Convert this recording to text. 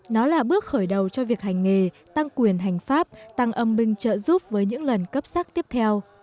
nó là bước khởi đầu cho việc hành nghề tăng quyền hành pháp tăng âm binh trợ giúp với những lần cấp sắc tiếp theo